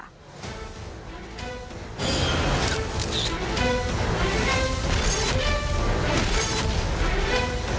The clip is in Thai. ไม่ควร